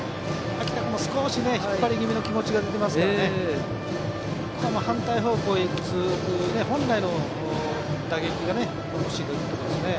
秋田君も引っ張り気味の気持ちが出ていますが反対方向へ打つ本来の打撃が欲しいところですね。